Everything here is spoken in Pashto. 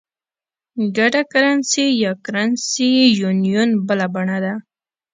ګډه کرنسي یا Currency Union بله بڼه ده.